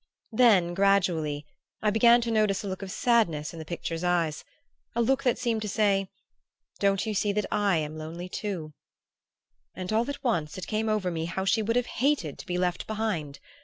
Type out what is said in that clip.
Then, gradually, I began to notice a look of sadness in the picture's eyes; a look that seemed to say: 'Don't you see that I am lonely too?' And all at once it came over me how she would have hated to be left behind!